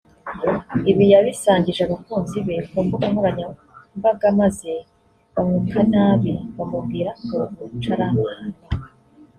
Ibi yabisangije abakunzi be ku mbuga nkoranyambaga maze bamwuka inabi bamubwira ko uwo muco ari amahano